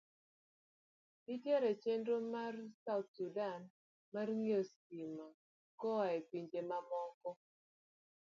Nitie chenro mar South Sudan mar ng'iewo stima koa e pinje mamoko.